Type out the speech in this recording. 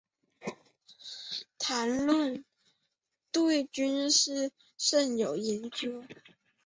谭纶对军事甚有研究。